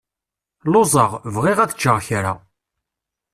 Luẓeɣ, bɣiɣ ad ččeɣ kra.